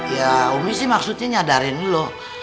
ya umi sih maksudnya nyadarin dulu